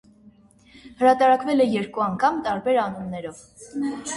Հրատարակվել է երկու անգամ՝ տարբեր անուններով։